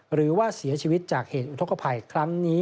หรือว่าเสียชีวิตจากเหตุอุทธกภัยครั้งนี้